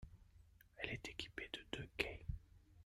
Elle est équipée de deux quais.